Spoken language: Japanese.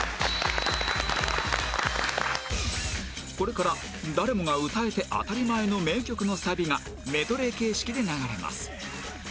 これから誰もが歌えて当たり前の名曲のサビがメドレー形式で流れます